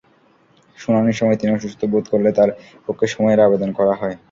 শুনানির সময় তিনি অসুস্থ বোধ করলে তাঁর পক্ষে সময়ের আবেদন করা হয়।